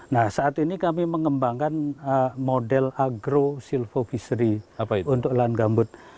nah saat ini kami mengembangkan model agro silvofisory untuk lahan gambut